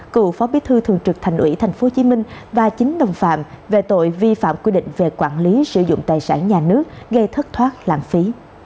cựu phó bí thư thường trực thành ủy tp hcm và chín đồng phạm về tội vi phạm quy định về quản lý sử dụng tài sản nhà nước gây thất thoát lãng phí